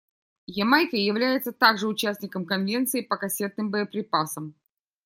Ямайка является также участником Конвенции по кассетным боеприпасам.